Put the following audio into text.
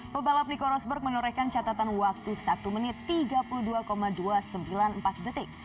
pebalap nico rosberg menorehkan catatan waktu satu menit tiga puluh dua dua ratus sembilan puluh empat detik